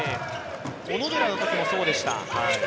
小野寺のときもそうでした。